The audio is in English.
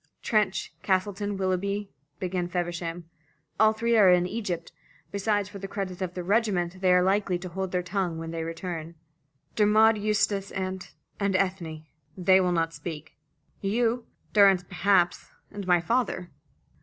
"Trench, Castleton, Willoughby," began Feversham. "All three are in Egypt. Besides, for the credit of their regiment they are likely to hold their tongues when they return. Who else?" "Dermod Eustace and and Ethne." "They will not speak." "You, Durrance perhaps, and my father."